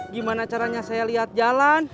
gimana caranya saya lihat jalan